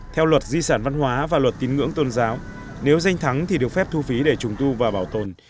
theo luật di sản văn hóa và luật tín ngưỡng tôn giáo nếu danh thắng thì được phép thu phí để trùng tu và bảo tồn